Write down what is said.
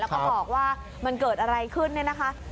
แล้วก็บอกว่ามันเกิดอะไรขึ้นเนี่ยนะคะ